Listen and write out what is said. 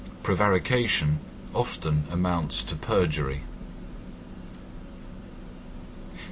Prevarication often amounts to perjury.